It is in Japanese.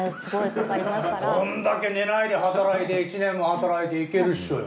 こんだけ寝ないで働いて１年も働いて行けるっしょよ。